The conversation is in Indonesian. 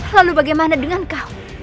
lalu bagaimana dengan kau